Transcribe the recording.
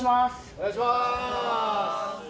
お願いします！